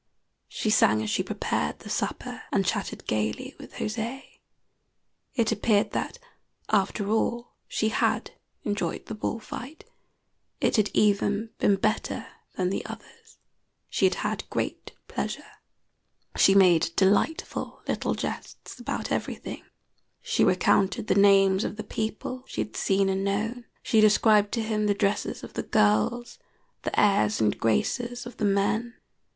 She sang as she prepared the supper, and chatted gayly with José. It appeared that, after all, she had enjoyed the bull fight; it had even been better than the others; she had had great pleasure. She made delightful little jests about everything; she recounted the names of the people she had seen and known; she described to him the dresses of the girls, the airs and graces of the men.